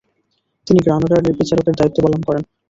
তিনি গ্রানাডার বিচারকের দায়িত্ব পালন করেন।